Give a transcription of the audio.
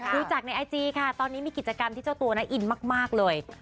ดูจากในไอจีค่ะตอนนี้มีกิจกรรมที่เจ้าตัวน่าอินมากเลย